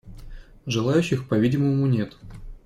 Желающих, по-видимому, нет.